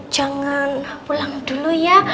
jangan pulang dulu ya